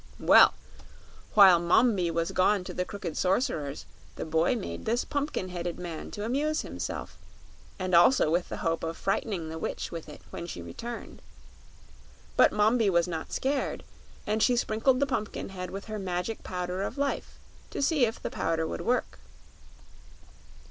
Well, while Mombi was gone to the crooked Sorcerer's, the boy made this pumpkin headed man to amuse himself, and also with the hope of frightening the Witch with it when she returned. But Mombi was not scared, and she sprinkled the Pumpkinhead with her Magic Powder of Life, to see if the Powder would work.